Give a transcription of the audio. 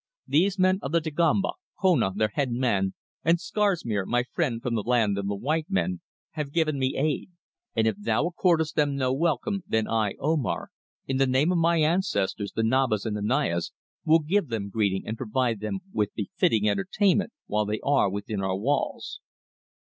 "These men of the Dagomba, Kona, their head man, and Scarsmere, my friend from the land of the white men, have given me aid, and if thou accordest them no welcome, then I, Omar, in the name of my ancestors, the Nabas and the Nayas, will give them greeting, and provide them with befitting entertainment while they are within our walls."